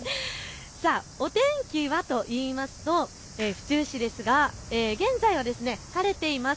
お天気はといいますと府中市ですが現在は晴れています。